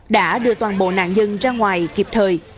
đã đưa toàn bộ nạn nhân ra ngoài kịp thời